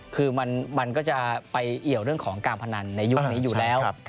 คือมันก็จะไปเอี่ยวเรื่องของการพนันในยุคนี้อยู่แล้ว